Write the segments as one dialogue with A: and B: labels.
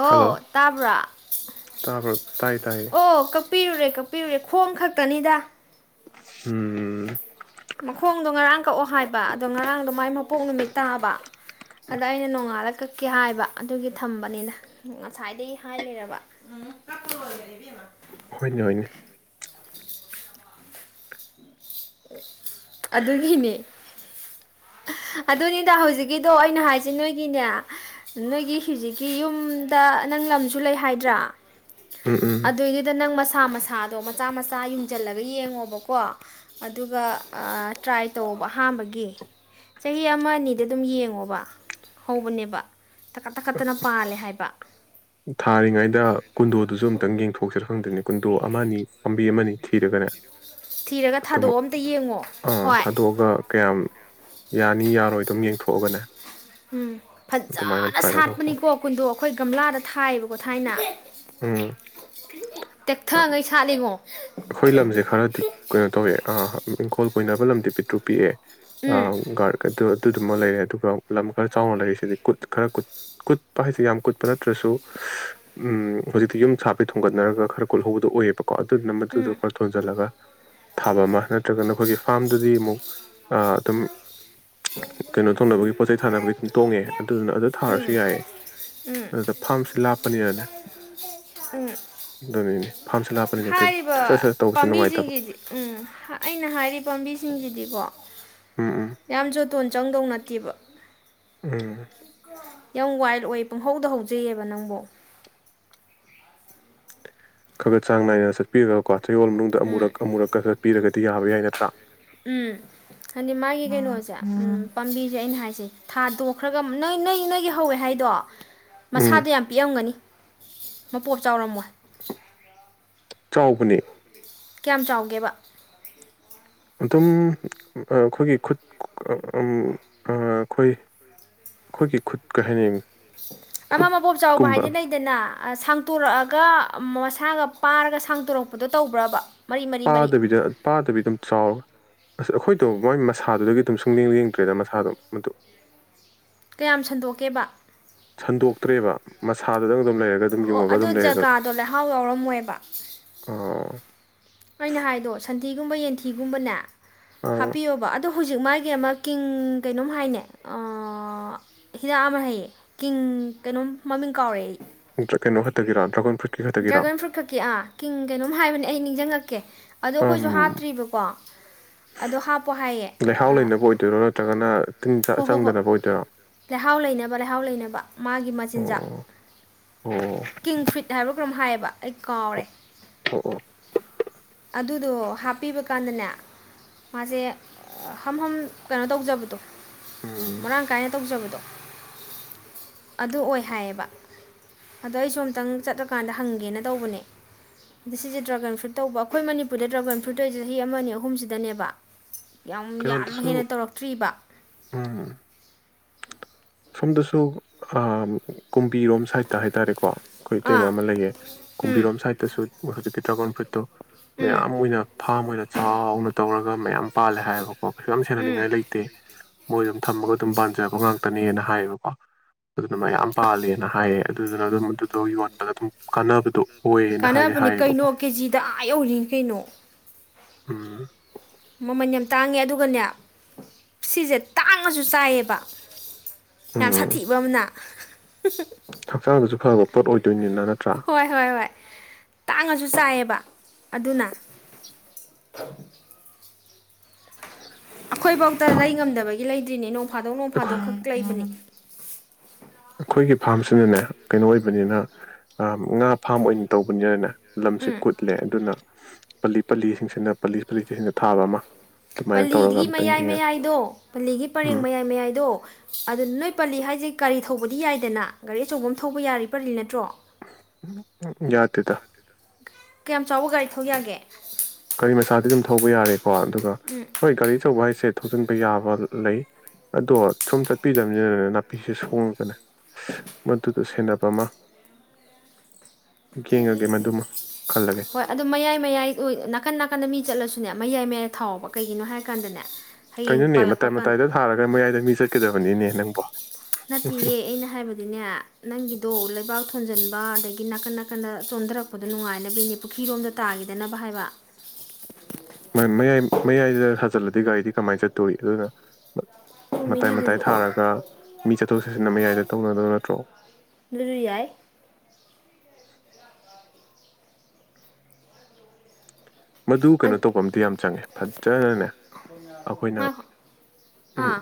A: ꯍꯣ
B: ꯍꯜꯂꯣ
A: ꯇꯥꯕ꯭ꯔꯥ
B: ꯇꯥꯕ꯭ꯔꯣ ꯇꯥꯏ ꯇꯥꯏꯌꯦ
A: ꯑꯣ ꯀꯛꯄꯤꯔꯨꯔꯦ ꯀꯛꯄꯤꯔꯨꯔꯦ ꯈꯣꯡ ꯈꯛꯇꯅꯤꯗ
B: ꯎꯝ
A: ꯃꯈꯣꯡꯗꯣ ꯉꯔꯥꯡ ꯀꯛꯑꯣ ꯍꯥꯏꯕ ꯑꯗꯣ ꯉꯔꯥꯡꯗꯣ ꯃꯥꯏ ꯃꯄꯣꯛ ꯅꯨꯃꯤꯠ ꯇꯥꯕ ꯑꯗ ꯑꯩꯅ ꯅꯣꯡꯉꯥꯜꯂ ꯀꯛꯀꯦ ꯍꯥꯏꯕ ꯑꯗꯨꯒꯤ ꯊꯝꯕꯅꯤꯅ ꯉꯁꯥꯏꯗꯒꯤ ꯍꯥꯏ ꯂꯩꯔꯕ ꯎ
B: ꯍꯅꯤ ꯍ ꯑꯣꯏꯅ
A: ꯑ ꯑꯗꯨꯒꯤꯅꯦ ꯑꯗꯨꯅꯤꯗ ꯍꯧꯖꯤꯛꯀꯤꯗꯣ ꯑꯩꯅ ꯍꯥꯏꯁ ꯅꯣꯏꯒꯤꯅꯦ ꯅꯣꯏꯒꯤ ꯍꯧꯖꯤꯛꯀꯤ ꯌꯨꯝꯗ ꯅꯪ ꯂꯝꯁꯨ ꯂꯩ ꯍꯥꯏꯗ꯭ꯔꯥ
B: ꯎꯝ ꯎꯝ
A: ꯑꯗꯨꯏꯗꯨꯗ ꯅꯪ ꯃꯁꯥ ꯃꯁꯥ ꯊꯥꯗꯣ ꯃꯆꯥ ꯃꯆꯥ ꯌꯨꯝꯁꯤꯜꯂꯒ ꯌꯦꯡꯉꯣꯕꯀꯣ ꯑꯗꯨꯒ ꯇ꯭ꯔꯥꯏ ꯇꯧꯕ ꯑꯍꯥꯝꯕꯒꯤ ꯆꯍꯤ ꯑꯃ ꯑꯅꯤꯗ ꯑꯗꯨꯝ ꯌꯦꯡꯉꯣꯕ ꯍꯧꯕꯅꯦꯕ ꯇꯀꯠ ꯇꯛꯀꯠꯇꯅ ꯄꯥꯜꯂꯦ ꯍꯥꯏꯕ
B: ꯇ ꯌꯦꯡꯊꯣꯛꯆꯔꯛꯪ ꯑꯗꯨꯅꯤ ꯀꯨꯟꯗꯣ ꯑꯃꯅꯤ ꯄꯥꯝꯕꯤ ꯑꯃꯅꯤ ꯊꯤꯔꯒꯅꯦ
A: ꯊꯤꯔꯒ
B: ꯑꯗꯨꯃꯛ
A: ꯊꯥꯗꯣꯛꯑ ꯑꯝꯇ ꯌꯦꯡꯉꯣ
B: ꯑꯥ
A: ꯍꯣꯏ
B: ꯊꯥꯗꯣꯛꯑꯒ ꯀꯌꯥꯝ ꯌꯥꯅꯤ ꯌꯥꯔꯣꯏꯗꯝ ꯌꯦꯡ ꯊꯣꯛꯑꯒꯅꯦ
A: ꯎꯝ ꯐꯖꯅ ꯁꯥꯠꯄꯅꯤꯀꯣ ꯀꯨꯟꯗꯣꯛ ꯑꯩꯈꯣꯏ ꯒꯝꯂꯥꯗ ꯊꯥꯏꯑꯕꯀꯣ ꯊꯥꯏꯅ
B: ꯑꯝ
A: ꯀ꯭ꯔꯤꯔꯤ ꯇꯦꯛꯊꯉꯩ ꯁꯥꯠꯂꯤꯉꯣ
B: ꯑꯩꯈꯣꯏ ꯂꯝꯁꯦ ꯈꯔꯗꯤ ꯀꯩꯅꯣ ꯇꯧꯋꯦ ꯑ ꯏꯪꯈꯣꯜ ꯀꯅꯕ ꯂꯝꯗꯤ ꯄꯤꯛꯇ꯭ꯔꯨ ꯄꯤꯛꯦ
A: ꯎꯝ
B: ꯑꯒꯔ ꯀꯗ ꯑꯗꯨꯗꯨꯃ ꯂꯩꯔꯦ ꯑꯗꯨꯒ ꯂꯝ ꯈꯔ ꯆꯥꯎꯅ ꯂꯩꯔꯤ ꯁꯤꯗꯤ ꯀꯨꯠ ꯈꯔ ꯀꯨꯠꯄ ꯍꯥꯏꯁꯦ ꯌꯥꯝ ꯀꯨꯠꯄ ꯅꯠꯇ꯭ꯔꯁꯨ ꯍꯧꯖꯤꯛꯇꯤ ꯌꯨꯝ ꯁꯥꯄꯩ ꯊꯣꯡꯒꯠꯅꯔꯒ ꯈꯔ ꯀꯨꯠꯍꯧꯕꯗꯣ ꯑꯣꯏꯌꯦꯕꯀꯣ ꯑꯗꯨꯅ
A: ꯎꯝ
B: ꯑꯗꯨꯗꯨ ꯈꯔ ꯊꯣꯟꯖꯜꯂꯒ ꯊꯥꯕ ꯑꯃ ꯅꯠꯇ꯭ꯔꯒꯅ ꯑꯩꯈꯣꯏꯒꯤ ꯐꯥꯔꯝꯗꯨꯗꯤ ꯑꯃꯨꯛ ꯑꯗꯨꯝ ꯀꯩꯅꯣ ꯇꯣꯡꯅꯕꯒꯤ ꯄꯣꯠꯆ ꯆꯩ ꯊꯥꯅꯕꯒꯤ ꯑꯗꯨꯝ ꯇꯣꯡꯉꯦ ꯑꯗꯨꯗꯨꯅ ꯑꯗꯨ ꯊꯥꯔꯁꯨ
A: ꯎꯝ
B: ꯌꯥꯏꯑ
A: ꯎꯝ
B: ꯑꯗꯨꯗ ꯐꯥꯝꯁꯦ ꯂꯥꯞꯄꯅꯤꯅꯅꯦ
A: ꯎꯝ
B: ꯅꯤꯅꯤ ꯐꯝꯁꯤꯂ ꯐꯠꯇ
A: ꯍꯥꯏꯔꯤꯕ ꯄꯥꯝꯕꯤꯁꯤꯡꯁꯤꯗꯤ ꯎꯝ ꯑꯩꯅ ꯍꯥꯏꯔꯤꯕ ꯄꯥꯝꯕꯤ ꯁꯤꯡꯁꯤꯗꯤꯀꯣ
B: ꯎꯝ ꯎꯝ
A: ꯌꯥꯝꯁꯨꯇꯣꯟ ꯆꯪꯗꯧꯅ [unintelligible]
B: ꯎꯝ
A: ꯌꯥꯝ ꯋꯥꯏꯜ ꯑꯣꯏ ꯄꯨꯡꯍꯧꯗ ꯍꯧꯖꯩꯑꯕ ꯅꯪꯕꯨ
B: ꯈꯒꯔ ꯆꯥꯡꯅꯏ ꯆꯥꯠꯄꯤꯔꯒ ꯀꯣ ꯆꯌꯣꯜ ꯃꯅꯨꯡꯗ
A: ꯎꯝ
B: ꯑꯃꯨꯔꯛ ꯑꯃꯨꯔꯛꯀ ꯆꯠꯄꯤꯔꯒꯗꯤ ꯌꯥꯕ ꯌꯥꯏ ꯅꯠꯇ꯭ꯔꯥ
A: ꯎꯝ ꯍꯥꯏꯗꯤ ꯃꯥꯒꯤ ꯁꯦ ꯊꯥ ꯇꯣꯛꯈ꯭ꯔꯒ ꯅꯪ ꯅꯪ ꯅꯪꯒꯤ ꯍꯧꯋꯦ ꯍꯥꯏꯗꯣ
B: ꯎꯝ
A: ꯃꯁꯥꯗ ꯌꯥꯝ ꯄꯤꯛꯑꯝꯒꯅꯤ ꯃꯄꯣꯞ ꯆꯥꯎꯔꯝꯃꯣ
B: ꯆꯥꯎꯕꯅꯤ
A: ꯀꯌꯥꯝ ꯆꯥꯎꯒꯦꯕ
B: ꯑꯗꯨꯝ ꯑꯩꯈꯣꯏꯒꯤ ꯈꯨꯠ ꯑꯩꯈꯣꯏ ꯑꯩꯈꯣꯏꯒꯤ ꯈꯨꯠꯀ ꯍꯥꯏꯅꯤ
A: ꯑꯃ ꯃꯕꯣꯞ ꯆꯥꯎꯕ
B: ꯈꯨꯠꯀꯨꯝꯕ
A: ꯍꯥꯏꯗꯤ ꯂꯩꯗꯅ ꯁꯥꯡꯇꯣꯔꯛꯑꯒ ꯃꯁꯥꯒ ꯄꯥꯔꯒ ꯁꯥꯡꯇꯣꯔꯛꯄꯗꯣ ꯇꯧꯕ꯭ꯔꯕ ꯃꯔꯤ ꯃꯔꯤ ꯃꯔꯤ
B: ꯄꯥꯗꯕꯤꯗ ꯄꯥꯗꯕꯤ ꯑꯗꯨꯝ ꯆꯥꯎꯔꯦ ꯑꯁ ꯑꯩꯈꯣꯏ ꯑꯣ ꯃꯣꯏ ꯃꯁꯥꯗꯨꯗꯒꯤ ꯑꯗꯨꯝ ꯁꯨꯡꯂꯦꯡ ꯂꯦꯡꯗ꯭ꯔꯦꯗ ꯃꯁꯥꯗꯣ ꯃꯗꯨ
A: ꯀꯌꯥꯝ ꯁꯟꯗꯣꯛꯀꯦꯕ
B: ꯁꯟꯗꯣꯛꯇ꯭ꯔꯦꯕ ꯃꯁꯥꯗꯗꯪ
A: ꯑꯣ ꯑꯗꯨ ꯖꯒꯥꯗꯣ ꯂꯩꯍꯥꯎ ꯌꯥꯎꯔꯝꯃꯣꯏꯕ ꯑꯩꯅ ꯍꯥꯏꯗꯣ ꯁꯟꯊꯤꯒꯨꯝꯕ ꯌꯦꯟꯊꯤꯒꯨꯝꯕꯅꯦ ꯍꯥꯄꯤꯑꯣꯕ ꯑꯗꯨ ꯑꯗꯣ ꯍꯧꯖꯤꯛ ꯃꯥꯒꯤ ꯑꯃ ꯀꯡ ꯀꯩꯅꯣꯝ ꯍꯥꯏꯅꯦ ꯍꯤꯗꯥꯛ ꯑꯃ ꯍꯥꯏꯌꯦ ꯀꯡ ꯀꯩꯅꯣꯝ ꯃꯃꯤꯡ ꯀꯥꯎꯔꯛꯑ ꯑꯩ
B: ꯀꯩꯅꯣꯛꯇ ꯗꯔꯒꯔꯣꯟ
A: ꯗ꯭ꯔꯥꯒꯟ ꯐ꯭ꯔꯨꯠ ꯈꯛꯀꯤ ꯑꯥ ꯀꯤꯡ ꯀꯩꯅꯣꯝ ꯍꯥꯏꯕꯅꯦ ꯑꯩ ꯅꯤꯡꯁꯤꯡꯉꯛꯀꯦ ꯑꯗꯣ ꯑꯩꯈꯣꯏꯁꯨ ꯍꯥꯞꯇ꯭ꯔꯤꯕꯀꯣ ꯑꯗꯣ ꯍꯥꯞꯄꯣ ꯍꯥꯏꯌꯦ
B: ꯂꯩꯍꯥꯎ ꯂꯩꯅꯕ ꯑꯣꯏꯗꯣꯏꯔꯣ ꯅꯠꯇ꯭ꯔꯒꯅ ꯇꯤꯟ
A: ꯍꯣ ꯍꯣꯏ ꯍꯣꯏ
B: ꯆꯪꯗꯅꯕ ꯑꯣꯏꯗꯣꯏꯔꯣ
A: ꯂꯩꯍꯥꯎ ꯂꯩꯅꯕ ꯂꯩꯍꯥꯎ ꯂꯩꯅꯕ ꯃꯥꯒꯤ ꯃꯆꯤꯟꯖꯥꯛ
B: ꯑꯣ ꯑꯣ ꯑꯣ
A: ꯀꯤꯡꯗꯝ ꯐ꯭ꯔꯤꯠ ꯈ꯭ꯔꯝ ꯍꯥꯏꯌꯦꯕ ꯑꯩ ꯀꯥꯎꯔꯦ
B: ꯑꯣ ꯑꯣ
A: ꯑꯗꯨꯗꯣ ꯍꯥꯞꯄꯤꯕ ꯀꯥꯟꯗꯅꯦ ꯃꯥꯁꯦ ꯍꯝꯐꯝꯝ ꯀꯩꯅꯣ ꯇꯧꯖꯕꯗꯣ
B: ꯎꯝ
A: ꯃꯔꯥꯡ ꯀꯥꯏꯅ ꯇꯧꯖꯕꯗꯣ ꯑꯗꯨ ꯑꯣꯏ ꯍꯥꯏꯌꯦꯕ ꯑꯗꯣ ꯑꯩꯁꯨ ꯑꯝꯇꯪ ꯆꯠꯂꯀꯥꯟꯗ ꯍꯪꯒꯦꯅ ꯇꯧꯕꯅꯦ ꯑꯗ ꯁꯤꯁꯦ ꯗ꯭ꯔꯥꯒꯟ ꯐ꯭ꯔꯨꯏꯠ ꯇꯧꯕ ꯑꯩꯈꯣꯏ ꯃꯅꯤꯄꯨꯔꯗ ꯗ꯭ꯔꯥꯒꯟ ꯐ꯭ꯔꯨꯏꯠꯇ ꯑꯣꯏꯁꯦ ꯆꯍꯤ ꯑꯃꯅꯤ ꯑ ꯑꯍꯨꯝꯁꯤꯗꯅꯦꯕ ꯌꯥꯝ ꯌꯥꯝ ꯍꯦꯟꯅ
B: ꯀꯩꯅꯣꯗꯁꯨ
A: ꯇꯧꯔꯛꯇ꯭ꯔꯤꯕ
B: ꯎꯝ ꯁꯣꯝꯗꯁꯨ ꯀꯨꯝꯕꯤꯔꯣꯝ ꯁꯥꯏꯠꯇ ꯍꯥꯏꯇꯥꯔꯦꯀꯣ ꯑꯩꯈꯣꯏ ꯑꯇꯩꯃ
A: ꯑꯥ
B: ꯑꯃ ꯂꯩꯌꯦ
A: ꯎꯝ
B: ꯀꯨꯝꯕꯤꯔꯣꯝ ꯁꯥꯏꯠꯇꯁꯨ [unintelligible]
A: ꯎꯝ
B: ꯃꯌꯥꯝ ꯑꯣꯏꯅ ꯐꯥꯝ ꯑꯣꯏꯅ ꯆꯥꯎꯅ ꯇꯧꯔꯒ ꯑꯗꯨ ꯃꯌꯥꯝ ꯄꯥꯜꯂꯦ ꯍꯥꯏꯕꯣ ꯑꯣ ꯀꯩꯁꯨ ꯌꯥꯝ
A: ꯎꯝ
B: ꯁꯦꯟꯅꯅꯤꯡꯉꯥꯏ ꯂꯩꯇꯦ ꯃꯣꯏ ꯑꯗꯨꯝ ꯊꯝꯃꯒ ꯑꯗꯨꯝ ꯄꯥꯟꯖꯕ ꯉꯥꯛꯇꯅꯦꯅ ꯍꯥꯏꯌꯦꯕꯀꯣ ꯑꯗꯨꯅ ꯃꯌꯥꯝ ꯄꯥꯂꯦꯅ ꯍꯥꯏꯌꯦ ꯑꯗꯨꯗꯨꯅ ꯑꯗꯨꯝ ꯑꯗꯨꯗꯣ ꯌꯣꯟꯕꯒ ꯑꯗꯨꯝ ꯀꯥꯟꯅꯕꯗꯣ ꯑꯣꯏꯌꯦꯅ ꯍꯥꯏꯗꯤ
A: ꯀꯥꯟꯅꯕꯅꯦ ꯀꯩꯅꯣ
B: ꯍꯥꯏꯌꯦꯕꯀꯣ
A: ꯀꯦꯖꯤꯗ ꯑꯥ ꯌꯧꯔꯤꯅꯤ ꯀꯩꯅꯣ
B: ꯎꯝ
A: ꯃꯃꯜ ꯌꯥꯝ ꯇꯥꯡꯉꯦ ꯑꯗꯨꯒꯅꯦ ꯁꯤꯁꯦ ꯇꯥꯡꯉꯁꯨ ꯆꯥꯏꯌꯦꯕ ꯌꯥꯝ
B: ꯎꯝ
A: ꯁꯥꯊꯤꯕ ꯑꯃꯅ
B: ꯍꯛꯆꯥꯡꯗꯁꯨ ꯐꯕ ꯄꯣꯠ ꯑꯣꯏꯗꯣꯏꯅꯤꯅ ꯅꯠꯇ꯭ꯔꯥ
A: ꯍꯣꯏ ꯍꯣꯏ ꯍꯣꯏ ꯇꯥꯡꯉꯁꯨ ꯆꯥꯏꯌꯦꯕ ꯑꯗꯨꯅ ꯑꯩꯈꯣꯏ ꯐꯧꯗ ꯂꯩ ꯉꯝꯗꯕꯒꯤ ꯏ ꯂꯩꯗ꯭ꯔꯤꯅꯦ ꯅꯣꯡ ꯐꯥꯗꯣꯛ ꯅꯣꯡ ꯐꯥꯗꯣꯛ
B: ꯈꯣꯏ
A: ꯈꯛ
B: ꯎ
A: ꯂꯩꯕꯅꯤ
B: ꯑꯩꯈꯣꯏꯒꯤ ꯐꯥꯝꯁꯤꯅꯅꯦ ꯀꯩꯅꯣ ꯑꯣꯏꯕꯅꯤꯅ ꯉꯥ ꯐꯥꯝ ꯑꯣꯏꯅ ꯇꯧꯕꯅꯤꯅꯅꯦ ꯂꯝꯁꯦ
A: ꯎꯝ
B: ꯀꯨꯠꯂꯦ ꯑꯗꯨꯅ ꯄꯜꯂꯤ ꯄꯜꯂꯤꯁꯤꯡꯁꯤꯅ ꯄꯜꯂꯤ ꯄꯂꯤꯁꯤꯡꯅ ꯊꯥꯕ ꯑꯃ ꯑꯗꯨꯃꯥꯏꯅ ꯇꯧꯔꯒ
A: ꯄꯜꯂꯤꯗꯒꯤ
B: ꯑꯝꯇꯪ
A: ꯃꯌꯥꯏ
B: ꯌꯦꯡꯉꯒꯦ
A: ꯃꯌꯥꯏꯗꯣ ꯄꯜꯂꯤꯒꯤ ꯄꯔꯦꯡ
B: ꯎꯝ
A: ꯃꯌꯥꯏ ꯃꯌꯥꯏꯗꯣ ꯑꯗꯨ ꯅꯣꯏ ꯄꯜꯂꯤ ꯍꯥꯏꯁꯦ ꯒꯥꯔꯤ ꯊꯧꯕꯗꯤ ꯌꯥꯏꯗꯅ ꯒꯥꯔꯤ ꯑꯆꯧꯕ ꯑꯃ ꯊꯧꯕ ꯌꯥꯔꯤ ꯄꯜꯂꯤ ꯅꯠꯇ꯭ꯔꯣ
B: ꯌꯥꯗꯗ
A: ꯀꯌꯥꯝ ꯆꯥꯎꯕ ꯒꯥꯔꯤ ꯊꯧ ꯌꯥꯒꯦ
B: ꯀꯔꯤ ꯃꯆꯥꯗꯤ ꯑꯗꯨꯝ ꯊꯧꯕ ꯌꯥꯔꯦꯣ ꯀꯣ ꯑꯗꯨꯒ
A: ꯎꯝ
B: ꯍꯣꯏ ꯒꯥꯔꯤꯆꯧꯕ ꯍꯥꯏꯁꯦ ꯊꯖꯤꯤꯟꯕ ꯌꯥꯕ ꯂꯩ ꯑꯗꯣ ꯁꯨꯝ ꯆꯠꯄꯤꯗꯕꯅꯤꯅꯅꯦ ꯅꯥꯄꯤꯁꯦ ꯁꯣꯡꯉꯒꯅꯦ ꯃ ꯑꯗꯨ ꯁꯦꯟꯅꯕ ꯑꯃ ꯌꯦꯡꯉꯒꯦ ꯃꯗꯨꯃ ꯈꯜꯂꯒꯦ
A: ꯍꯣꯏ ꯑꯗꯨ ꯃꯌꯥꯏ ꯃꯌꯥꯏ ꯑꯣꯏ ꯅꯥꯀꯟ ꯅꯥꯀꯟꯗ ꯃꯤ ꯆꯠꯂꯁꯨꯅꯦ ꯃꯌꯥꯏ ꯃꯌꯥꯏ ꯊꯥꯎꯕ ꯀꯩꯒꯤꯅꯣ ꯍꯥꯏꯔ ꯀꯥꯟꯗꯅꯦ ꯍꯌꯦꯡ
B: ꯀꯩꯅꯣꯅꯦ
A: ꯄꯥꯜꯂꯛꯄ
B: ꯃꯇꯥꯏ
A: ꯀꯥꯟꯗ
B: ꯃꯇꯥꯏꯗ ꯊꯥꯔꯒ ꯃꯌꯥꯏꯗ ꯃꯤ ꯆꯠꯀꯗꯕꯅꯤꯅꯦ ꯅꯪꯕꯣ
A: ꯅꯠꯇꯦꯌꯦꯦ ꯑꯩꯅ ꯍꯥꯏꯕꯗꯤꯅꯦ ꯅꯪꯒꯤꯗꯣ ꯂꯩꯕꯥꯛ ꯊꯣꯟꯖꯟꯕ ꯑꯗꯒꯤ ꯅꯥꯀꯟ ꯅꯥꯀꯟꯗ ꯆꯣꯟꯊꯔꯛꯄꯗꯣ ꯅꯨꯡꯉꯥꯏꯅꯕꯒꯤꯅꯦ ꯄꯨꯈ꯭ꯔꯤꯔꯣꯝꯗ ꯇꯥꯈꯤꯗꯅꯕ ꯍꯥꯏꯕ
B: ꯃꯌꯥꯏ ꯃꯌꯥꯏꯗ ꯍꯖꯤꯜꯂꯗꯤ ꯒꯥꯔꯤꯗꯤ ꯀꯃꯥꯏꯅ ꯆꯠꯇꯣꯏꯏ ꯑꯗꯨꯅ
A: ꯆꯨꯝꯃꯤꯅꯦ
B: ꯃꯇꯥꯏ ꯃꯇꯥꯏ
A: ꯑꯗꯨꯁꯨ
B: ꯊꯥꯔꯒ ꯃꯤ ꯆꯠꯊꯣꯛ ꯆꯠꯁꯤꯟ ꯃꯌꯥꯏꯗ ꯇꯧꯅꯗꯕ ꯅꯠꯇ꯭ꯔꯣ
A: ꯑꯗꯨꯁꯨ ꯌꯥꯏ
B: [unintelligible] ꯃꯗꯨ ꯀꯩꯅꯣ
A: ꯑꯗꯨ-
B: ꯇꯧꯕ ꯑꯃꯗꯤ ꯌꯥꯝ ꯆꯪꯉꯦ ꯐꯖꯅꯅꯦ ꯑꯩꯈꯣꯏꯅ
A: ꯉꯥꯏꯈꯣ- ꯑꯥ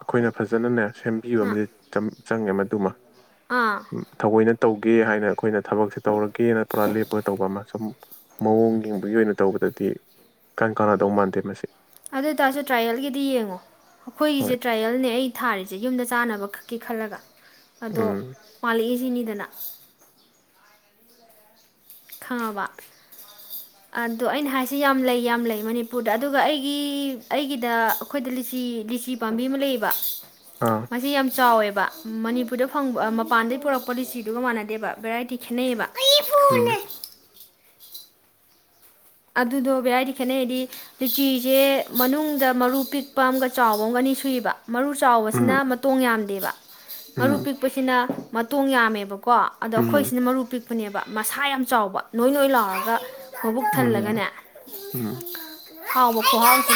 B: ꯑꯩꯈꯣꯏꯅ ꯐꯖꯅꯅꯦ ꯁꯦꯝꯕꯤꯕ
A: ꯑꯥ
B: ꯑꯃꯗꯤ ꯆꯪꯉꯦ ꯇꯨꯝꯃ
A: ꯑꯥ
B: ꯇꯧꯒꯦ ꯍꯥꯏꯅ ꯑꯩꯈꯣꯏꯅ ꯊꯕꯛꯁꯦ ꯇꯧꯔꯒꯦꯅ ꯄꯨꯔꯥ ꯂꯦꯞꯄꯒ ꯇꯧꯕ ꯑꯃ ꯁꯨꯝ ꯃꯑꯣꯡꯒꯤ ꯇꯧꯕꯗꯗꯤ ꯀꯩꯝ ꯀꯥꯟꯅꯗꯧ ꯃꯥꯟꯗꯦ ꯃꯁꯤ
A: ꯑꯗꯨ ꯑꯣꯏ ꯇꯔꯁꯨ ꯇ꯭ꯔꯥꯌꯦꯜꯒꯤꯗꯤ ꯌꯦꯡꯉꯣ ꯑꯩꯈꯣꯏꯒꯤꯁꯦ
B: ꯍꯣꯏ
A: ꯇ꯭ꯔꯥꯌꯦꯜꯅꯦ ꯑꯩ ꯊꯥꯔꯤꯁꯦ ꯌꯨꯝꯗ ꯆꯥꯅꯕ ꯈꯛꯀꯤ ꯈꯜꯂꯒ ꯑꯗꯣ
B: ꯎꯝ
A: ꯄꯥꯜꯂꯛꯏꯁꯤꯅꯤ ꯗꯅ ꯈꯪꯉꯕ ꯑꯗꯣ ꯑꯩꯅ ꯍꯥꯏꯁꯦ ꯌꯥꯝ ꯂꯩ ꯌꯥꯝ ꯂꯩ ꯃꯅꯤꯄꯨꯔꯗ ꯑꯗꯨꯒ ꯑꯩꯒꯤ ꯑꯩꯒꯤꯗ ꯑꯩꯈꯣꯏꯗ ꯂꯤꯆꯤ ꯂꯤꯆꯤ ꯄꯥꯝꯕꯤ ꯑꯃ ꯂꯩꯌꯦꯕ
B: ꯑꯥ
A: ꯃꯁꯤ ꯌꯥꯝ ꯆꯥꯎꯋꯦꯕ ꯕ ꯃꯅꯤꯄꯨꯔꯗ ꯐꯪꯕ ꯃꯄꯥꯟꯗꯩ ꯄꯨꯔꯛꯄ ꯂꯤꯆꯤꯗꯨꯒ ꯃꯥꯟꯅꯗꯦꯕ ꯕꯦꯔꯥꯏꯇꯤ ꯈꯦꯠꯅꯩꯌꯦꯕ
B: ꯎꯝ
A: ꯑꯗꯨꯗꯣ ꯕꯦꯔꯏꯗꯤ ꯈꯦꯠꯅꯩꯗꯤ ꯂꯤꯆꯤꯁꯦ ꯃꯅꯨꯡꯗ ꯃꯔꯨ ꯄꯤꯛꯄ ꯑꯃꯒ ꯆꯥꯎꯕ ꯑꯃꯒ ꯑꯅꯤ ꯁꯨꯏꯕ ꯃꯔꯨ ꯆꯥꯎꯕꯁꯤꯅ
B: ꯎꯝ
A: ꯃꯇꯣꯡ ꯌꯥꯝꯗꯦꯕ ꯃꯔꯨ
B: ꯎꯝ
A: ꯄꯤꯛꯄꯁꯤꯅ ꯃꯇꯣꯡ ꯌꯥꯝꯃꯦꯕꯀꯣ ꯑꯗꯣ
B: ꯎꯝ
A: ꯑꯩꯈꯣꯏꯁꯤꯅ ꯃꯔꯨ ꯄꯤꯛꯄꯅꯦꯕ ꯃꯁꯥ ꯌꯥꯝ ꯆꯥꯎꯕ ꯅꯣꯏ ꯅꯣꯏ ꯂꯥꯎꯔꯒ ꯃꯕꯨꯛ ꯊꯜꯂ
B: ꯎꯝ ꯎꯝ
A: ꯍꯥꯎꯕ ꯈꯨꯍꯥꯎ ꯁꯦ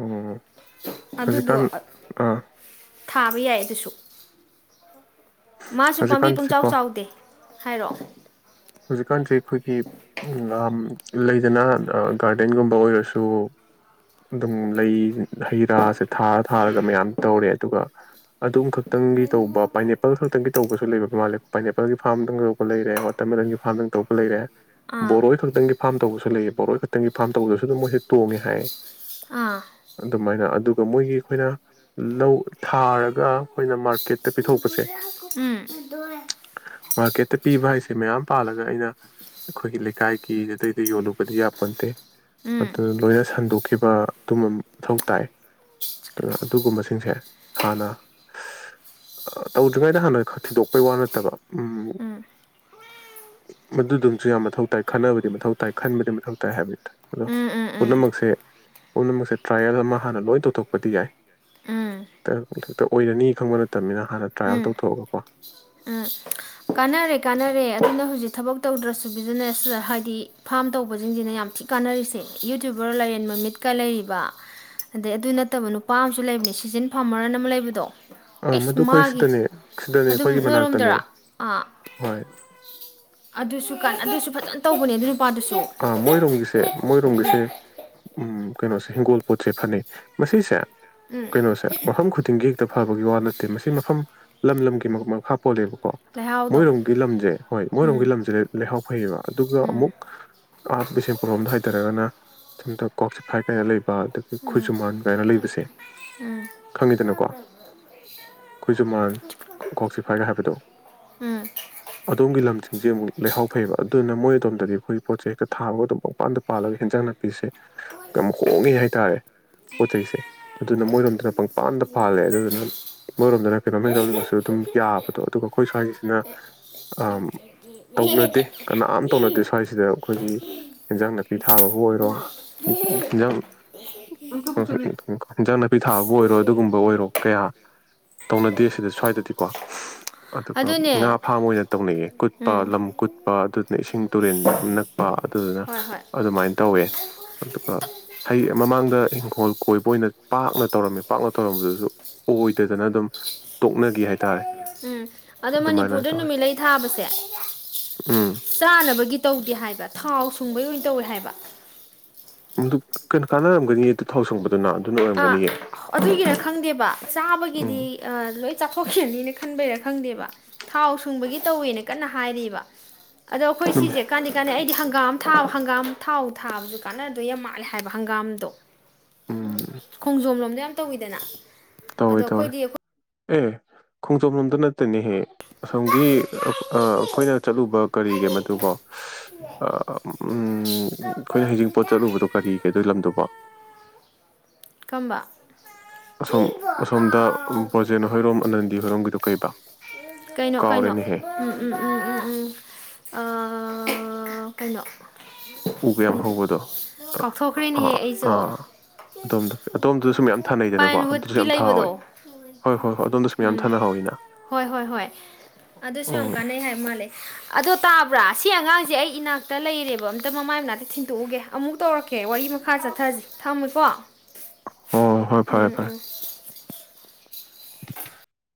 B: ꯎꯝ ꯍꯧꯖꯤꯛꯀꯥꯟ ꯑꯥ
A: ꯊꯥꯕ ꯌꯥꯏ ꯑꯗꯨꯁꯨ ꯃꯥꯁꯨ ꯄꯥꯝꯕꯤ ꯄꯨꯡꯆꯥꯎ
B: ꯍꯧꯖꯤꯛꯀꯥꯟꯁꯦꯀꯣ
A: ꯆꯥꯎꯗꯦ ꯍꯥꯏꯔ ꯑꯣ
B: ꯍꯧꯖꯤꯛꯀꯥꯟꯁꯦ ꯑꯩꯈꯣꯏꯒꯤ ꯎꯝ ꯑꯥꯝ ꯂꯩꯗꯅ ꯒꯥꯔꯗꯦꯟꯒꯨꯝꯕ ꯑꯣꯏꯔꯁꯨ ꯑꯗꯨꯝ ꯂꯩ ꯍꯩ ꯔꯥꯁꯦ ꯊꯥꯔ ꯊꯥꯔꯒ ꯃꯌꯥꯝ ꯇꯧꯔꯦ ꯑꯗꯨꯒ ꯑꯗꯨꯝꯈꯛ ꯇꯪꯒꯤ ꯇꯧꯕ ꯄꯥꯏꯅꯦꯄꯜ ꯈꯛꯇꯪꯒꯤ ꯇꯧꯕꯁꯨ ꯂꯩꯕ ꯃꯥꯜꯂꯦ ꯄꯥꯏꯅꯦꯄꯜꯒꯤ ꯐꯥꯝꯗ ꯉꯧꯕ ꯂꯩꯔꯦ ꯇꯃꯦꯡꯂꯪꯒꯤ ꯐꯥꯔꯝꯗꯅ ꯇꯧꯕ ꯂꯩꯔꯦ
A: ꯑꯥ
B: ꯕꯣꯔꯣꯏ ꯈꯛꯇꯪꯒꯤ ꯐꯥꯔꯝ ꯇꯧꯕꯁꯨ ꯂꯩꯌꯦ ꯕꯣꯔꯣꯏ ꯈꯛꯇꯪꯒꯤ ꯐꯥꯝ ꯇꯧꯕꯗꯁꯨ ꯑꯗꯨꯝ ꯃꯣꯏꯁꯦ ꯇꯣꯡꯉꯦ ꯍꯥꯏꯌꯦ
A: ꯑꯥ
B: ꯑꯗꯨꯃꯥꯏꯅ ꯑꯗꯨꯒ ꯃꯣꯏꯒꯤ ꯑꯩꯈꯣꯏꯅ ꯂꯧ ꯊꯥꯔꯒ ꯑꯩꯈꯣꯏꯅ ꯃꯥ
A: ꯎꯗꯨꯗ [unintelligible] ꯎꯝ
B: ꯃꯥꯔꯀꯦꯠꯇ ꯄꯤꯕ ꯍꯥꯏꯁ ꯃꯌꯥꯝ ꯄꯥꯜꯂꯒ ꯑꯩꯅ ꯑꯩꯈꯣꯏꯒꯤ ꯂꯩꯀꯥꯏꯒꯤ ꯑꯗꯩꯗ ꯌꯣꯜꯂꯨ ꯕꯗꯤ ꯌꯥ ꯄꯣꯟꯇꯦ
A: ꯎꯝ
B: ꯑꯗꯨ ꯂꯣꯏꯅ ꯁꯟꯗꯣꯛꯈꯤꯕ ꯑꯗꯨꯝꯕ ꯃꯊꯧ ꯇꯥꯏ ꯑꯗꯨꯅ ꯑꯗꯨꯒꯨꯝꯕꯁꯤꯡꯁꯦ ꯍꯥꯟꯅ ꯑ ꯇꯧꯗ꯭ꯔꯤꯉꯩꯗ ꯍꯥꯟꯅ ꯈ ꯊꯤꯗꯣꯛꯄꯩ ꯋꯥ ꯅꯠꯇꯕ ꯎꯝ
A: ꯎꯝ
B: ꯃꯗꯨꯗꯨꯪꯁꯨ ꯌꯥꯝ ꯃꯊꯧ ꯇꯥꯏ ꯈꯟꯅꯕꯗꯤ ꯃꯊꯧ ꯇꯥꯏ ꯈꯟꯕꯗꯤ ꯃꯊꯧ ꯇꯥꯏ ꯍꯥꯏꯕꯅꯤꯗ ꯑꯗꯣ
A: ꯎꯝ ꯎꯝ
B: ꯄꯨꯅꯃꯛꯁꯦ ꯄꯨꯝꯅꯃꯛꯁꯦ ꯇ꯭ꯔꯥꯏꯌꯦꯜ ꯑꯃ ꯍꯥꯟꯅ ꯂꯣꯏ ꯇꯧꯊꯣꯛꯄꯗꯤ ꯌꯥꯏ
A: ꯎꯝ
B: ꯍꯦꯛꯇ ꯑꯣꯏꯔꯅꯤ ꯈꯪꯕ ꯅꯠꯇꯕꯅꯤꯅ ꯍꯥꯟꯅ ꯇ꯭ꯔꯥꯏꯌꯦꯜ
A: ꯎꯝ
B: ꯇꯧꯊꯣꯛꯑꯒꯀꯣ
A: ꯎꯝ ꯀꯥꯟꯅꯔꯦ ꯀꯥꯟꯅꯔꯦ ꯑꯗꯨꯅ ꯍꯧꯖꯤꯛ ꯊꯕꯛ ꯇꯧꯗ꯭ꯔꯁꯨ ꯕꯤꯖꯤꯅꯦꯁ ꯍꯥꯏꯗꯤ ꯐꯥꯝ ꯇꯧꯕꯁꯤꯡꯁꯤꯅ ꯌꯥꯝ ꯊꯤ ꯀꯥꯟꯅꯔꯤꯁꯦ ꯌꯨꯇ꯭ꯌꯨꯕꯔ ꯂꯩꯔꯦꯟꯕ ꯃꯤꯠꯀ ꯂꯩꯔꯤꯕ ꯑꯗꯩ ꯑꯗꯨ ꯅꯠꯇꯕ ꯅꯨꯄꯥ ꯑꯃꯁꯨ ꯂꯩꯕꯅꯦ ꯁꯤꯖꯟ ꯐꯥꯔꯃꯔ ꯑꯅ ꯑꯃ ꯂꯩꯕꯗꯣ
B: ꯑꯥ
A: ꯑꯩꯁ
B: ꯃꯗꯨ ꯑꯩꯈꯣꯏ
A: ꯃꯥꯒꯤ
B: ꯁꯤꯗꯅꯦ ꯁꯤꯗꯅꯦ
A: ꯑꯗꯨꯝ
B: ꯑꯩꯈꯣꯏꯒꯤ ꯃꯅꯥꯛꯇꯅꯦ
A: ꯅꯣꯏꯔꯣꯝꯗꯔꯥ ꯑꯥ
B: ꯍꯣꯏ
A: ꯑꯗꯨꯁꯨ ꯀꯥꯟ ꯑꯗꯨꯁꯨ ꯐꯖꯅ ꯇꯧꯕꯅꯦ ꯑꯗꯨ ꯅꯨꯄꯥꯗꯨꯁꯨ
B: ꯑꯥ ꯃꯣꯏꯔꯣꯝꯒꯤꯁꯦ ꯃꯣꯏꯔꯣꯝꯒꯤꯁꯦ ꯎꯝ ꯀꯩꯅꯣꯁꯦ ꯍꯤꯡꯒꯣꯜ ꯄꯣꯠꯁꯦ ꯐꯅꯩ ꯃꯁꯤꯁꯦ
A: ꯎꯝ
B: ꯀꯩꯅꯣꯁꯦ ꯃꯐꯝ ꯈꯨꯗꯤꯡꯒꯤ ꯍꯦꯛꯇ ꯐꯕꯒꯤ ꯋꯥ ꯅꯠꯇꯦ ꯃꯁꯤ ꯃꯐꯝ ꯂꯝ ꯂꯝꯒꯤ ꯃꯈ ꯈꯥ ꯄꯣꯜꯂꯦꯕ ꯀ
A: ꯂꯩꯍꯥꯎꯗꯣ
B: ꯃꯣꯏꯔꯣꯝꯒꯤ ꯂꯝꯁꯦ ꯍꯣꯏ ꯃꯣꯏꯔꯣꯝꯒꯤ
A: ꯎꯝ
B: ꯂꯝꯁꯦ ꯂꯩꯍꯥꯎ ꯐꯩꯌꯦꯕ ꯑꯗꯨꯒ
A: ꯎꯝ
B: ꯑꯃꯨꯛ ꯥ ꯕꯤꯁꯦꯝꯄꯨꯔ ꯂꯣꯝꯗ ꯍꯥꯏꯇꯔꯒꯅ ꯁꯣꯝꯇ ꯀꯣꯛꯆꯤꯐꯥꯏ ꯀꯅ ꯂꯩꯕ ꯑꯗꯒꯤ
A: ꯎꯝ
B: ꯈꯣꯏꯖꯨꯃꯥꯟ ꯀꯥꯏꯅ ꯂꯩꯕꯁꯦ
A: ꯎꯝ
B: ꯈꯪꯉꯤꯗꯅꯀꯣ ꯈꯣꯏꯖꯨꯃꯥꯟ ꯀꯥꯛꯆꯤꯐꯥꯏꯒ ꯍꯥꯏꯕꯗꯣ
A: ꯎꯝ
B: ꯑꯗꯣꯝꯒꯤ ꯂꯝꯁꯤꯡꯁꯦ ꯑꯃꯨꯛ ꯂꯩꯍꯥꯎ ꯐꯩꯕ ꯑꯗꯨꯅ ꯃꯣꯏ ꯑꯗꯣꯝꯗꯗꯤ ꯑꯩꯈꯣꯏꯒꯤ ꯄꯣꯠ ꯆꯩꯦꯛꯇ ꯊꯕꯒ ꯑꯗꯨꯝ ꯃꯄꯥꯟꯗ ꯄꯜꯂꯒ ꯍꯦꯟꯖꯥꯡꯅ ꯅꯨꯄꯤꯤꯁꯦ ꯌꯥꯝ ꯍꯣꯡꯉꯦ ꯍꯥꯏꯇꯥꯔꯦ ꯄꯣꯠ ꯆꯩꯁꯦ ꯑꯗꯨꯅ ꯃꯣꯏꯔꯣꯝꯗꯅ ꯄꯪꯄꯥꯟꯗ ꯄꯥꯜꯂꯦ ꯑꯗꯨꯗꯨꯅ ꯃꯣꯏꯔꯣꯝꯗꯅ ꯀꯩꯅꯣꯝꯃꯦꯛ ꯇꯧꯅꯤꯡꯉꯁꯨ ꯑꯗꯨꯝ ꯌꯥꯕꯗꯣ ꯑꯗꯨꯒ ꯑꯩꯈꯣꯏ ꯁ꯭ꯋꯥꯏꯒꯤꯁꯤꯅ ꯑ ꯇꯧꯅꯗꯦ ꯀꯅꯥꯝ ꯇꯧꯅꯗꯦ ꯑꯗꯨ ꯁ꯭ꯏꯁꯤꯗ ꯑꯩꯈꯣꯏꯒꯤ ꯑꯦꯟꯖꯥꯡ ꯅꯥꯄꯤ ꯊꯥꯕꯕꯨ ꯑꯣꯏꯔꯣ ꯍꯟꯖꯥꯡ ꯍꯟꯖꯥꯡ ꯅꯥꯄꯤ ꯊꯥꯕꯕꯨ ꯑꯣꯏꯔꯣ ꯑꯗꯨꯒꯨꯝꯕ ꯑꯣꯏꯔꯣ ꯀꯌꯥ ꯇꯧꯅꯗꯦ ꯁꯤꯗ ꯁ꯭ꯋꯥꯏꯗꯗꯤꯀꯣ ꯑꯗꯨꯒ ꯉꯥ
A: ꯑꯗꯨꯅꯦ
B: ꯐꯥꯝ ꯑꯣꯏꯅ ꯇꯧꯅꯩꯌꯦ ꯀꯨꯠꯄ
A: ꯎꯝ
B: ꯂꯝ ꯀꯨꯠ ꯑꯗꯨꯅ ꯏꯁꯤꯡ ꯇꯨꯔꯦꯟꯅꯛ ꯑꯥ ꯑꯗꯨꯗꯨꯅ
A: ꯍꯣꯏ ꯍꯣꯏ
B: ꯑꯗꯨꯃꯥꯏꯅ ꯇꯧꯋꯦ ꯑꯗꯨꯒ ꯍꯩ ꯃꯃꯥꯡꯗ ꯏꯪꯈꯣꯜ ꯀꯣꯏꯕ ꯑꯣꯏꯅ ꯄꯥꯛꯅ ꯇꯧꯔꯝꯃꯦ ꯄꯥꯛꯅ ꯇꯧꯔꯝꯕꯗꯨꯁꯨ ꯑꯣꯏ
A: ꯎꯝ ꯑꯗꯣ
B: ꯑꯗꯨꯃꯥꯏꯅ
A: ꯃꯅꯤꯄꯨꯔꯗ
B: ꯇꯧꯋꯦ
A: ꯅꯨꯃꯤꯠꯂꯩ ꯊꯥꯕꯁꯦ
B: ꯎꯝ
A: ꯆꯥꯅꯕꯒꯤ ꯇꯧꯗꯦ ꯍꯥꯏꯕ ꯊꯥꯎ ꯁꯨꯡꯕꯩ ꯑꯣꯏꯅ ꯇꯧꯋꯦ ꯍꯥꯏꯕ
B: ꯑꯗꯨ ꯀꯩꯅꯣ ꯀꯥꯟꯅꯔꯝꯒꯅꯤ ꯑꯗꯨ ꯊꯥꯎ ꯁꯪꯕꯗ
A: ꯑ ꯑꯗꯨꯒꯤꯅ ꯈꯪꯗꯦꯕ
B: ꯎꯝ
A: ꯆꯥꯕꯒꯤꯗꯤ ꯂꯣꯏ ꯆꯥꯊꯣꯛꯁꯅꯤꯅ ꯈꯟꯕꯩꯔꯥ ꯈꯪꯗꯦꯕ ꯊꯥꯎ ꯁꯨꯡꯕꯒꯤ ꯇꯧꯋꯦꯅ ꯀꯟꯅ ꯍꯥꯏꯔꯤꯔꯤꯕ ꯑꯗꯣ ꯑꯩꯈꯣꯏ ꯁꯤꯁꯦ ꯀꯥꯟꯅ ꯀꯥꯟꯅꯩ ꯑꯩꯗꯤ ꯍꯪꯒꯥꯝ ꯊꯥ ꯍꯪꯒꯥꯝ ꯊꯥꯎ ꯊꯥꯕꯗꯨ ꯀꯥꯟꯅꯗꯣ ꯌꯥꯝ ꯃꯥꯜꯂꯦ ꯍꯥꯏꯕ ꯍꯪꯒꯥꯝꯗꯣ
B: ꯎꯝ
A: ꯈꯣꯡꯖꯣꯝ ꯂꯣꯝꯗ ꯌꯥꯝ ꯇꯧꯋꯤꯗꯅ
B: ꯇꯧꯋꯦ
A: ꯑꯗꯣ
B: ꯇꯧꯋꯦ
A: ꯑꯩꯈꯣꯏꯗꯤ ꯑꯩꯈꯣꯏ
B: ꯑꯦ ꯈꯣꯡꯖꯣꯝ ꯂꯣꯝꯗ ꯅꯠꯇꯅꯦꯍꯦ ꯑꯁꯣꯝꯒꯤ ꯑꯩꯈꯣꯏꯅ ꯆꯠꯂꯨꯕ ꯀꯔꯤꯒꯦ ꯃꯗꯨꯕꯣ ꯑꯩꯈꯣꯏꯅ ꯍꯩꯖꯤꯡꯄꯣꯠ ꯆꯠꯂꯨꯕꯗꯣ ꯀꯔꯤꯒꯦ ꯑꯗꯨꯒꯤ ꯂꯝꯗꯨꯕꯣ
A: ꯈꯝꯕ
B: ꯑꯁꯣꯝ ꯑꯁꯣꯝꯗ ꯕ꯭ꯔꯣꯖꯦꯟ ꯍꯣꯏꯔꯣꯝ ꯑꯅꯟꯗꯤ ꯍꯣꯏꯔꯣꯝꯒꯤꯗ ꯀꯩꯗ
A: ꯀꯩꯅꯣ ꯀꯩꯅꯣ ꯎꯝ ꯎꯝ ꯎꯝ ꯎꯝ ꯎꯝ ꯀꯩꯅꯣ
B: ꯎꯒꯌꯥꯝ ꯍꯧꯕꯗꯣ ꯑꯥ
A: ꯀꯥꯎꯊꯣꯛꯈ꯭ꯔꯦꯅꯦꯍꯦ ꯑꯩꯁꯨ
B: ꯑꯥ ꯑꯗꯣꯝꯗ ꯑꯗꯣꯝꯗꯁꯨ ꯃꯌꯥꯝ ꯊꯥꯅꯩꯗꯅꯀꯣ ꯑꯗꯨꯁꯨ
A: ꯄꯥꯏꯟꯋꯨꯗꯀꯤ
B: ꯌꯥꯝ ꯊꯥꯍꯧꯋꯤ
A: ꯂꯩꯕꯗꯣ
B: ꯍꯣꯏ ꯍꯣꯏ ꯍꯣꯏ ꯑꯗꯣꯝꯗꯁꯨ ꯃꯌꯥꯝ
A: ꯎꯝ
B: ꯊꯥꯅꯍꯧꯋꯤꯅ
A: ꯍꯣꯏ ꯍꯣꯏ ꯍꯣꯏ ꯑꯗꯨꯁꯨ ꯌꯥꯝ
B: ꯎꯝ
A: ꯀꯥꯟꯅꯩ ꯍꯥꯏꯕ ꯃꯥꯜꯂꯦ ꯑꯗꯣ ꯇꯥ ꯭ꯔꯥ ꯁꯤ ꯑꯉꯥꯡꯁꯦ ꯑꯩ ꯏꯅꯥꯛꯇ ꯂꯩꯔꯦꯕ ꯑꯝꯇ ꯃꯃꯥꯏ ꯃꯅꯥꯛꯇ ꯊꯤꯟꯇꯣꯛꯎꯒꯦ ꯑꯃꯨꯛ ꯇꯧꯔꯛꯀꯦ ꯑꯣꯀꯦ ꯋꯥꯔꯤ ꯃꯈꯥ ꯆꯠꯊꯁꯤ ꯊꯝꯃꯨꯀꯣ
B: ꯍꯣꯏ ꯍꯣꯏ
A: ꯎꯝ
B: ꯐꯔꯦ ꯐꯔꯦ
A: ꯎꯝ
B: [unintelligible]